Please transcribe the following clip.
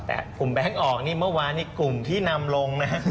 แต่กลุ่มแบงค์ออกนี่เมื่อวานนี้กลุ่มที่นำลงนะฮะ